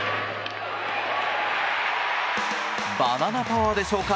バナナパワーでしょうか。